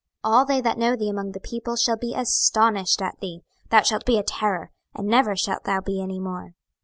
26:028:019 All they that know thee among the people shall be astonished at thee: thou shalt be a terror, and never shalt thou be any more.